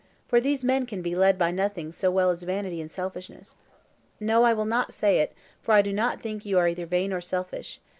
for these men can be led by nothing so well as by vanity and selfishness. No, I will not say it, for I do not think you are either vain or selfish.